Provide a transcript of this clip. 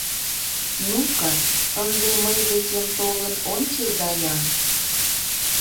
— Ну-ка, ынде мый декем толын ончыза-ян...